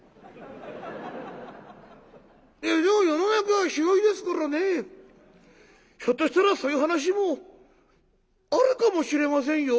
「いやでも世の中は広いですからねひょっとしたらそういう話もあるかもしれませんよ」。